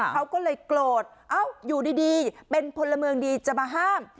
เขาก็เลยโกรธอยู่ดีเป็นพลเมืองดีจะมาห้าม